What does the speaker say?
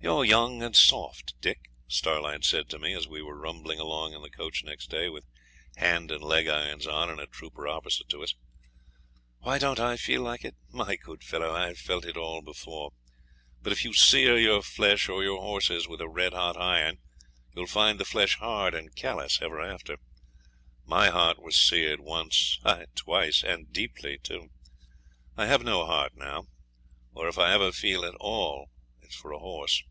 'You're young and soft, Dick,' Starlight said to me as we were rumbling along in the coach next day, with hand and leg irons on, and a trooper opposite to us. 'Why don't I feel like it? My good fellow, I have felt it all before. But if you sear your flesh or your horse's with a red hot iron you'll find the flesh hard and callous ever after. My heart was seared once ay, twice and deeply, too. I have no heart now, or if I ever feel at all it's for a horse.